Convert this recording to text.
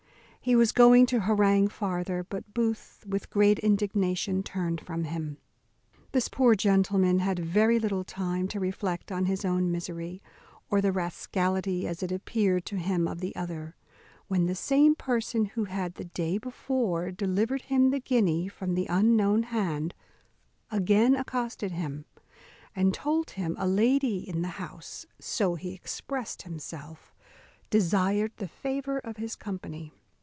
He was going to harangue farther; but Booth, with great indignation, turned from him. This poor gentleman had very little time to reflect on his own misery, or the rascality, as it appeared to him, of the other, when the same person who had the day before delivered him the guinea from the unknown hand, again accosted him, and told him a lady in the house (so he expressed himself) desired the favour of his company.